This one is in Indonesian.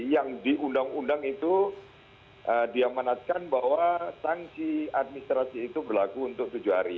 yang diundang undang itu dia manatkan bahwa sanksi administrasi itu berlaku untuk tujuh hari